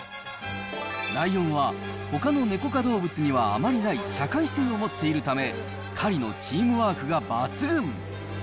ライオンは、ほかのネコ科動物にはあまりない社会性を持っているため、狩りのチームワークが抜群。